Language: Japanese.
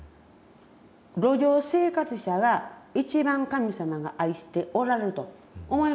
路上生活者が一番神様が愛しておられると思いましてん。